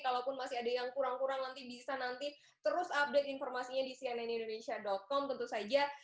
kalaupun masih ada yang kurang kurang nanti bisa nanti terus update informasinya di cnnindonesia com tentu saja